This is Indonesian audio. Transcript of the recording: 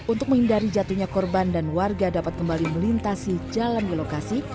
untuk menghindari jatuhnya korban dan warga dapat kembali melintasi jalan di lokasi